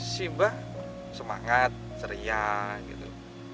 sibah semangat ceria gitu